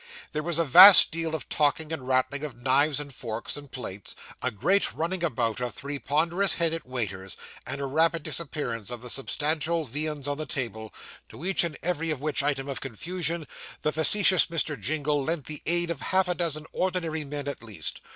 There was a vast deal of talking and rattling of knives and forks, and plates; a great running about of three ponderous headed waiters, and a rapid disappearance of the substantial viands on the table; to each and every of which item of confusion, the facetious Mr. Jingle lent the aid of half a dozen ordinary men at least.